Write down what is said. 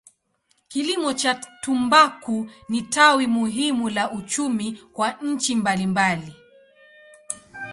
Kilimo cha tumbaku ni tawi muhimu la uchumi kwa nchi mbalimbali.